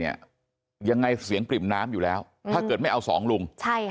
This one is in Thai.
ยังไงเสียงปริ่มน้ำอยู่แล้วถ้าเกิดไม่เอาสองลุง